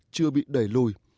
chưa bị đẩy lùi